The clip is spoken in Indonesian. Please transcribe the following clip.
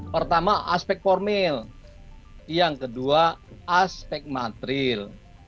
pertama aspek formil yang kedua aspek materil